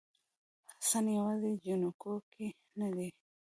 حسن یوازې جینکو کې نه دی